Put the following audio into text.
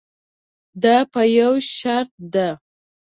دا په یوه شرط ده.